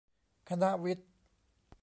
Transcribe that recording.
คณะวิทย์